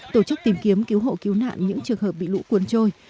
tổ chức tìm kiếm cứu hộ cứu nạn những trường hợp bị lũ cuốn trôi